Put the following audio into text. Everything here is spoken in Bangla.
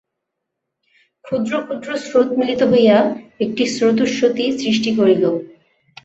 ক্ষুদ্র ক্ষুদ্র স্রোত মিলিত হইয়া একটি স্রোতস্বতী সৃষ্টি করিল।